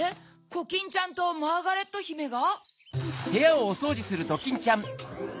コキンちゃんとマーガレットひめが？